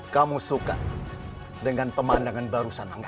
kamu suka dengan pemandangan barusan engkau